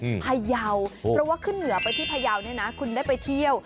พยาวเพราะว่าขึ้นเหนือไปที่พยาวเนี่ยนะคุณได้ไปเที่ยว